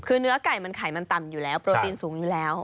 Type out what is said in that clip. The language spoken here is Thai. คือเนื้อไก่มันไข่มันต่ำอยู่แล้วโปรตีนสูงอยู่แล้ว